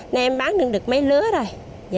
nên em bán được mấy lứa rồi